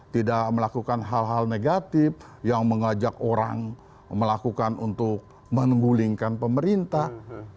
tidak melakukan hal hal negatif yang mengajak orang melakukan untuk menggulingkan pemerintah